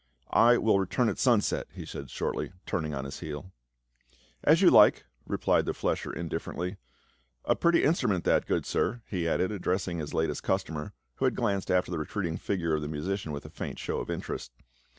" I will return at sunset," he said shortly, turning on his heel. "As you like," replied the flesher indifferently. "A pretty instrument that, good sir," he added, address in<? his latest customer, who had glanced after the re treating figure of the musician with a faint show of interest.